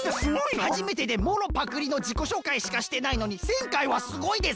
はじめてでもろパクリのじこしょうかいしかしてないのに１０００回はすごいです。